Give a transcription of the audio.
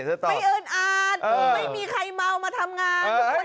ไม่เอิญอาจไม่มีใครเมามาทำงาน